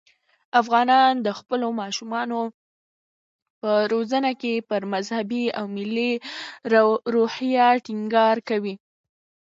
افغانان د خپلو ماشومانو په روزنه کې پر مذهبي او ملي روحیه ټینګار کوي.